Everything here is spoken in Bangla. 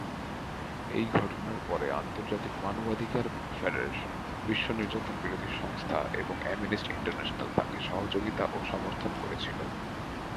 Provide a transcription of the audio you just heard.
এই ঘটনার পরে আন্তর্জাতিক মানবাধিকার ফেডারেশন, বিশ্ব নির্যাতন বিরোধী সংস্থা এবং অ্যামনেস্টি ইন্টারন্যাশনাল তাকে সহযোগিতা ও সমর্থন করেছিল।